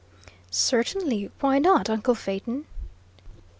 "Certainly; why not, uncle Phaeton?"